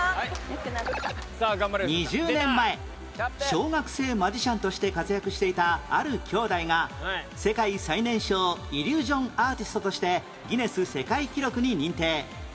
２０年前小学生マジシャンとして活躍していたある兄弟が世界最年少イリュージョンアーティストとしてギネス世界記録に認定